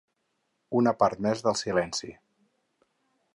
Una part més del silenci.